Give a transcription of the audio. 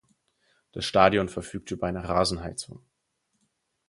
Das Stadion verfügt über eine Rasenheizung.